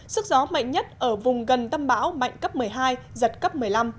sức gió mạnh nhất ở vùng gần tâm bão mạnh cấp một mươi hai giật cấp một mươi năm